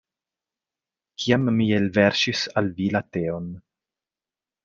Kiam mi elverŝis al vi la teon.